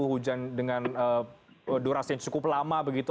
hujan dengan durasi yang cukup lama begitu